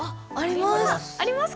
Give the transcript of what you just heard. あります。